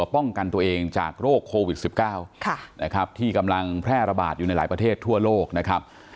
ป้องกันตัวเองจากโรคโควิด๑๙นะครับที่กำลังแพร่ระบาดอยู่ในหลายประเทศทั่วโลกนะครับ